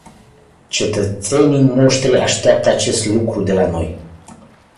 Cetățenii noștri așteaptă acest lucru de la noi.